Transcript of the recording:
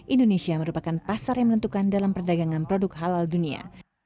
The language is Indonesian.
indonesia merupakan pasar yang menentukan dalam perdagangan produk halal dunia